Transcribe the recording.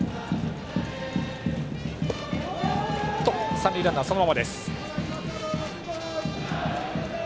三塁ランナーはそのままです。